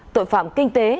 tội phạm kinh tế